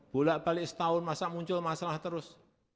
bolak balik setahun masa muncul masalah terus